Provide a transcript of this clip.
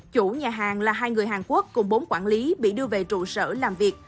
chủ nhà hàng là hai người hàn quốc cùng bốn quản lý bị đưa về trụ sở làm việc